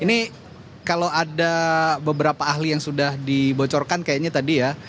ini kalau ada beberapa ahli yang sudah dibocorkan kayaknya tadi ya